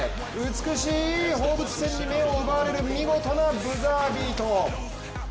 美しい放物線に目を奪われる見事なブザービート。